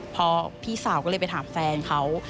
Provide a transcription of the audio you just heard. พอพี่สาวก็เลยไปถามแฟนเขา